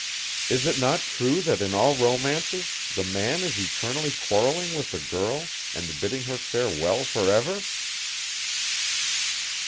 Is it not true that in all romances the man is eternally quarrelling with the girl and bidding her farewell forever?"